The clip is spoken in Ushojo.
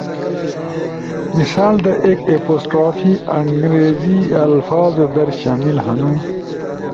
مثال در، ایکapostrophe انگریزی الفاظو در شامل ہنو